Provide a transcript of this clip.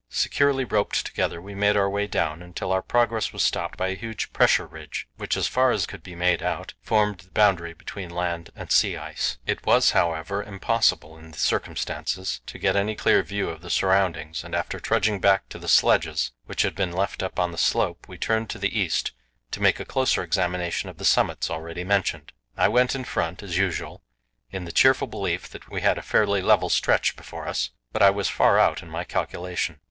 Securely roped together we made our way down, until our progress was stopped by a huge pressure ridge, which, as far as could be made out, formed the boundary between land and sea ice. It was, however, impossible in the circumstances to get any clear view of the surroundings, and after trudging back to the sledges, which had been left up on the slope, we turned to the east to make a closer examination of the summits already mentioned. I went in front, as usual, in the cheerful belief that we had a fairly level stretch before us, but I was far out in my calculation.